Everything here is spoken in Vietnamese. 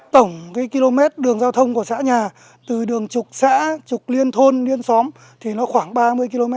tổng cái km đường giao thông của xã nhà từ đường trục xã trục liên thôn liên xóm thì nó khoảng ba mươi km